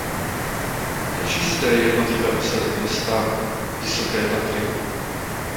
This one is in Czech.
Leží zde jednotlivé osady města Vysoké Tatry.